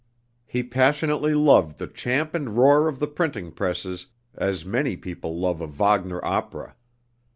He passionately loved the champ and roar of the printing presses as many people love a Wagner opera.